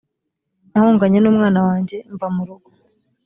nahunganye n umwana wanjye mva mu rugo